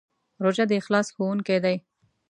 روژه د اخلاص ښوونکی دی.